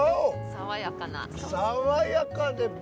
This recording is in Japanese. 爽やかな。